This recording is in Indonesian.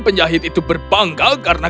penjahit itu berbangga karena